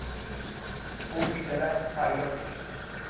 او بیدرنگ فریاد کشید.